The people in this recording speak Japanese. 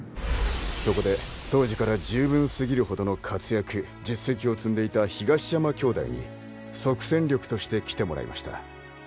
そこで当時から十分すぎるほどの活躍実績を積んでいた東山兄弟に即戦力として来てもらいました。